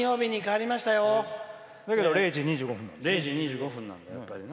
だけど０時２５分なんだやっぱりな。